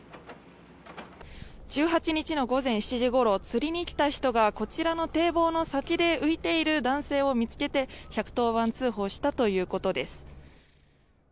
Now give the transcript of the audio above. １８日の午前７時ごろ釣りに来た人がこちらの堤防の先で浮いている男性を見つけて１１０番通報したということです。